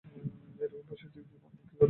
এরকম পৈশাচিক কাজ কে করতে পারে?